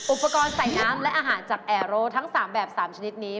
อุปกรณ์ใส่น้ำและอาหารจากแอร์โรทั้ง๓แบบ๓ชนิดนี้